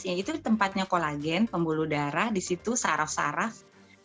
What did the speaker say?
yaitu tempatnya kolagen pembuluh darah disitu saraf saraf